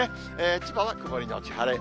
千葉は曇り後晴れ。